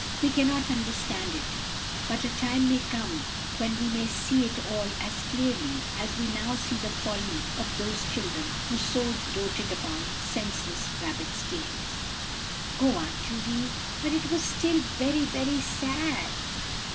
We cannot understand it, but a time may come when we may see it all as clearly as we now see the folly of those children who so doted upon senseless rabbits' tails." "Oh, Aunt Judy, but it was still very, very sad."